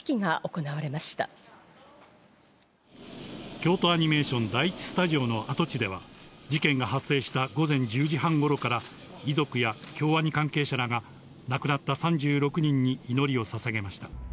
京都アニメーション第一スタジオの跡地では、事件が発生した午前１０時半頃から、遺族や京アニ関係者らが亡くなった３６人に祈りをささげました。